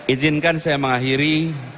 ijinkan saya mengakhiri